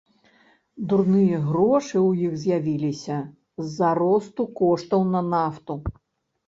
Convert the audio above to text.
Дурныя грошы ў іх з'явіліся з-за росту коштаў на нафту.